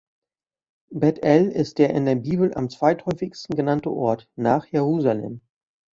Bet-El ist der in der Bibel am zweithäufigsten genannte Ort, nach Jerusalem.